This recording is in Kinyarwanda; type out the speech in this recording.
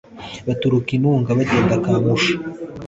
Baturuka i Ntunga bagenda aka Musha